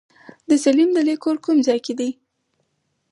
د سليم دلې کور کوم ځای دی؟